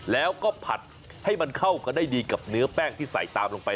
แล้วก็ผัดให้มันเข้ากันได้ดีกับเนื้อแป้งที่ใส่ตามลงไป